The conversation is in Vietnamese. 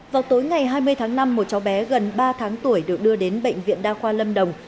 vào tối ngày hai mươi tháng năm một cháu bé gần ba tháng tuổi được đưa đến bệnh viện đa khoa lâm đồng